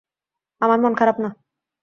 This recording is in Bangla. আমার মন খারাপ না।